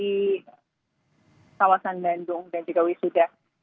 di kawasan bandung dan juga wisuda